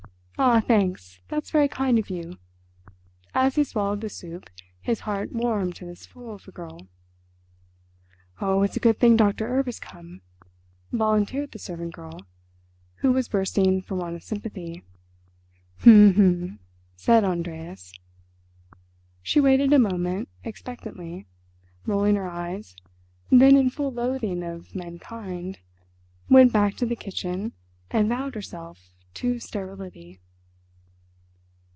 "Ah, thanks, that's very kind of you." As he swallowed the soup his heart warmed to this fool of a girl. "Oh, it's a good thing Doctor Erb has come," volunteered the servant girl, who was bursting for want of sympathy. "H'm, h'm," said Andreas. She waited a moment, expectantly, rolling her eyes, then in full loathing of menkind went back to the kitchen and vowed herself to sterility.